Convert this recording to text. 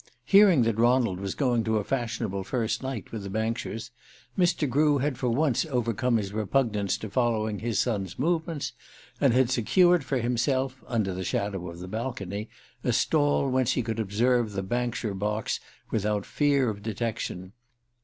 Hearing that Ronald was going to a fashionable first night with the Bankshires, Mr. Grew had for once overcome his repugnance to following his son's movements, and had secured for himself, under the shadow of the balcony, a stall whence he could observe the Bankshire box without fear of detection.